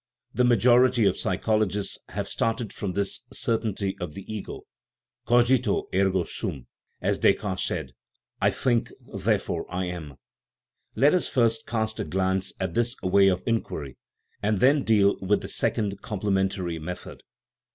The majority of psychologists have started from this " certainty of the ego ":" Cogito ergo sum" as Des cartes said I think, therefore I am. Let us first cast a glance at this way of inquiry, and then deal with the second, complementary, method.